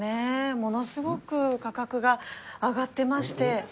ものすごく価格が上がってまして。